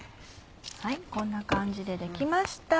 はいこんな感じでできました。